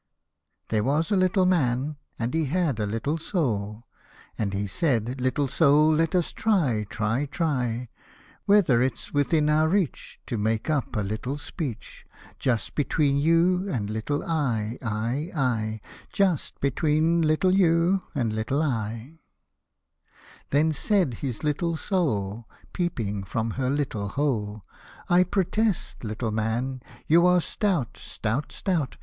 There was a little Man, and he had a little Soul, And he said, " Little Soul, let us try, try, try, Whether it's within pur reach To make up a little Speech, Just between little you and little I, I, ;:I, . Just between little you and little I !"— Then said his httle Soul, Peeping from her little hole, "I protest, little Man, you are stout, stout, stout.